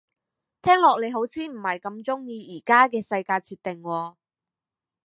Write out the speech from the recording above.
聽落你好似唔係咁鍾意而家嘅世界設定喎